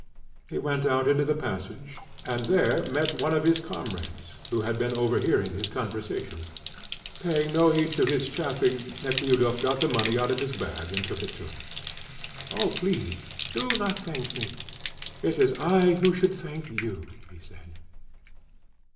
He went out into the passage, and there met one of his comrades, who had been overhearing his conversation. Paying no heed to his chaffing, Nekhludoff got the money out of his bag and took it to her. "Oh, please, do not thank me; it is I who should thank you," he said.